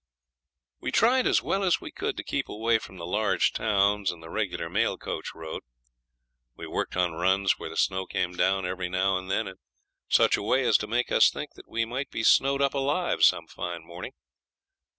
We tried as well as we could to keep away from the large towns and the regular mail coach road. We worked on runs where the snow came down every now and then in such a way as to make us think that we might be snowed up alive some fine morning.